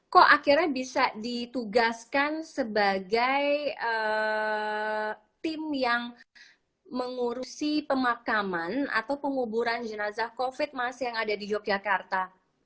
kok akhirnya bisa ditugaskan sebagai tim yang mengurusi pemakaman atau penguburan jenazah covid mas yang ada di yogyakarta